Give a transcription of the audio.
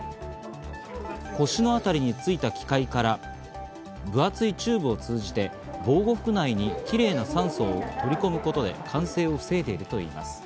腰のあたりについた機械から分厚いチューブを通じて防護服内にキレイな酸素を取り込むことで感染を防いでいるといいます。